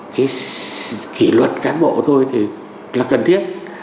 cái kỷ luật cán bộ thôi thì là cần thiết